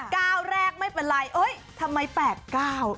ก้าวแรกไม่เป็นไรเอ้ยทำไมแปดเก้า